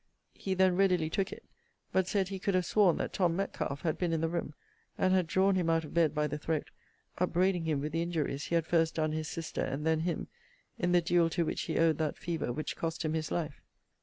He then readily took it; but said he could have sworn that Tom. Metcalfe had been in the room, and had drawn him out of bed by the throat, upbraiding him with the injuries he had first done his sister, and then him, in the duel to which he owed that fever which cost him his life.